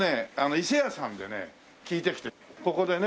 伊勢屋さんでね聞いてきてここでね。